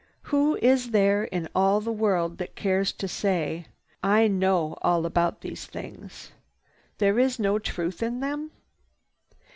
Who is there in all the world that cares to say, "I know all about these things. There is no truth in them?"